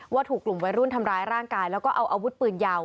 ว่าถูกกลุ่มวัยรุ่นทำร้ายร่างกายแล้วก็เอาอาวุธปืนยาว